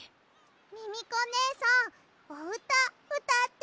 ミミコねえさんおうたうたって。